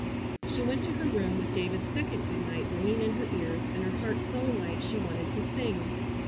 She went to her room with David's second good night ringing in her ears and her heart so light she wanted to sing.